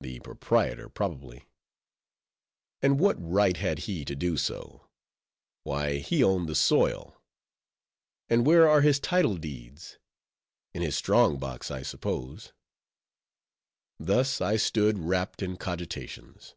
The proprietor, probably. And what right had he to do so? Why, he owned the soil. And where are his title deeds? In his strong box, I suppose. Thus I stood wrapt in cogitations.